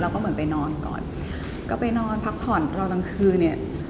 ก็เหมือนไปนอนก่อนก็ไปนอนพักผ่อนตอนกลางคืนเนี่ย